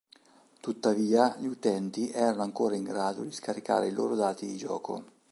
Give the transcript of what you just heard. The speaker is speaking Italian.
Tuttavia, gli utenti erano ancora in grado di scaricare il loro dati di gioco.